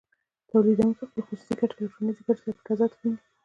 تولیدونکی خپلې خصوصي ګټې له ټولنیزو ګټو سره په تضاد کې ویني